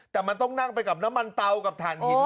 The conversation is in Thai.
แต่มันต้องนั่งไปกับน้ำมันเตากับฐานหิน